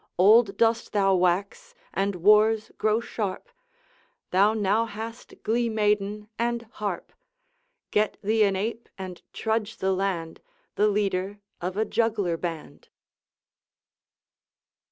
Old dost thou wax, and wars grow sharp; Thou now hast glee maiden and harp! Get thee an ape, and trudge the land, The leader of a juggler band.'